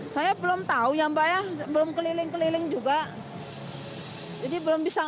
saya belum tahu yang banyak belum keliling keliling juga jadi belum bisa